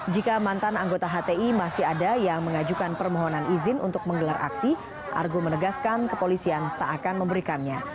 jika mantan anggota hti masih ada yang mengajukan permohonan izin untuk menggelar aksi argo menegaskan kepolisian tak akan memberikannya